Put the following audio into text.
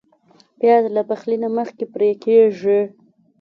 پیاز له پخلي نه مخکې پرې کېږي